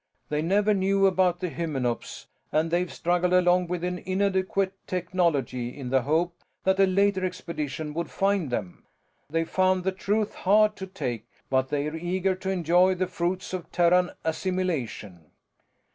They never knew about the Hymenops, and they've struggled along with an inadequate technology in the hope that a later expedition would find them. They found the truth hard to take, but they're eager to enjoy the fruits of Terran assimilation."